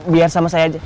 biar sama saya aja